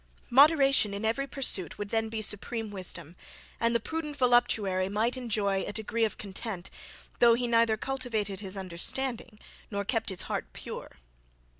Moderation in every pursuit would then be supreme wisdom; and the prudent voluptuary might enjoy a degree of content, though he neither cultivated his understanding nor kept his heart pure.